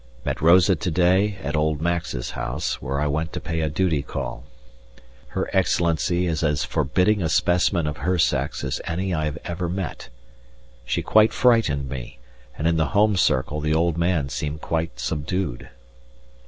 Met Rosa to day at old Max's house, where I went to pay a duty call. Her Excellency is as forbidding a specimen of her sex as any I have ever met. She quite frightened me, and in the home circle the old man seemed quite subdued.